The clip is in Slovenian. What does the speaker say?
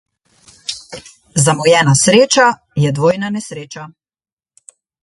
Zamujena sreča je dvojna nesreča.